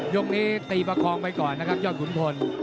ยกนี้ตีประคองไปก่อนนะครับยอดขุนพล